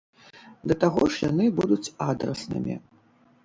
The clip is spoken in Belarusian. Да таго ж яны будуць адраснымі.